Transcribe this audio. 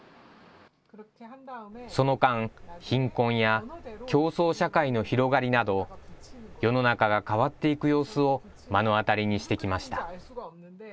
その間、貧困や競争社会の広がりなど、世の中が変わっていく様子を目の当たりにしてきました。